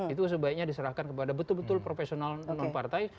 itu sebaiknya diserahkan kepada betul betul profesional nonpartai